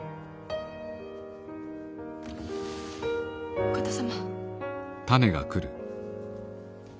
お方様。